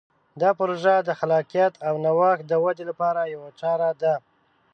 دا پروژه د خلاقیت او نوښت د ودې لپاره یوه چاره ده.